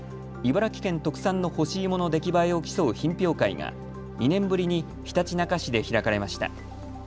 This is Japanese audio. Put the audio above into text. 茨城県特産の干し芋の出来栄えを競う品評会が２年ぶりにひたちなか市で開かれました。